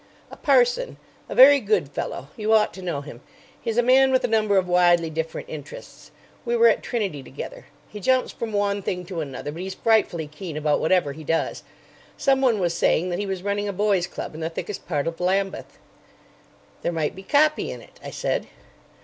"A parson. A very good fellow. You ought to know him. He's a man with a number of widely different interests. We were at Trinity together. He jumps from one thing to another, but he's frightfully keen about whatever he does. Someone was saying that he was running a boys' club in the thickest part of Lambeth." "There might be copy in it," I said.